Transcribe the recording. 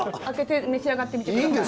開けて召し上がってみて下さい。